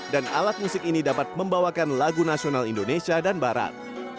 dan alat musik ini dapat membawakan lagu nasional indonesia dan barat